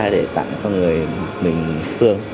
để tặng cho người mình thương